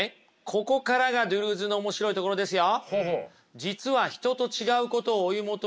ここからがドゥルーズの面白いところですよ。